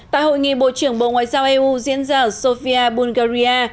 tại hội nghị bộ trưởng bộ ngoại giao eu diễn ra ở sofia bungarya